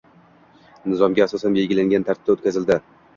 Nizomga asosan belgilangan tartibda o'tkazildi